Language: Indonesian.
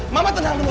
mama tenang dulu